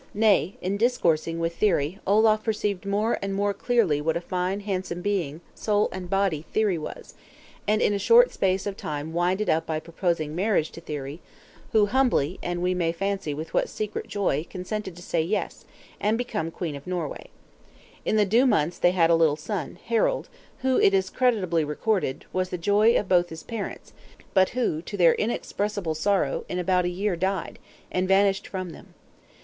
Nay, in discoursing with Thyri Olaf perceived more and more clearly what a fine handsome being, soul and body, Thyri was; and in a short space of time winded up by proposing marriage to Thyri; who, humbly, and we may fancy with what secret joy, consented to say yes, and become Queen of Norway. In the due months they had a little son, Harald; who, it is credibly recorded, was the joy of both his parents; but who, to their inexpressible sorrow, in about a year died, and vanished from them.